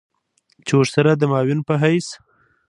چې ورسره د معاون په حېث